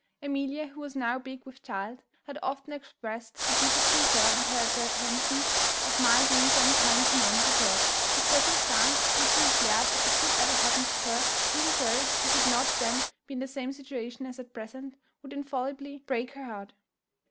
"Amelia, who was now big with child, had often expressed the deepest concern at her apprehensions of my being some time commanded abroad; a circumstance, which she declared if it should ever happen to her, even though she should not then be in the same situation as at present, would infallibly break her heart.